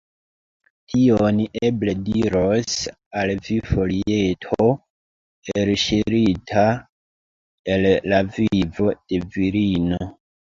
Tion eble diros al vi folieto, elŝirita el la vivo de virino.